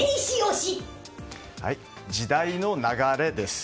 時代の流れです。